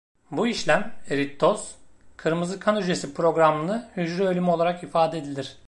Bu işlem, erittoz, kırmızı kan hücresi programlı hücre ölümü olarak ifade edilir..